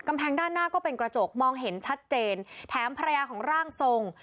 ทางด้านหน้าก็เป็นกระจกมองเห็นชัดเจนแถมภรรยาของร่างทรง